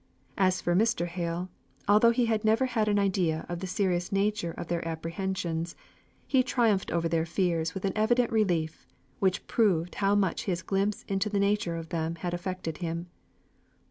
As for Mr. Hale, although he had never had an idea of the serious nature of their apprehensions, he triumphed over their fears with an evident relief, which proved how much his glimpse into the nature of them had affected him.